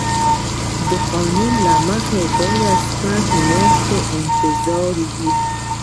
د قانون له مخې باید شپږ میاشتې انتظار وي.